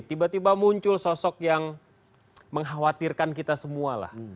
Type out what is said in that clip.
tiba tiba muncul sosok yang mengkhawatirkan kita semua lah